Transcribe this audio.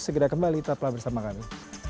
segera kembali tetaplah bersama kami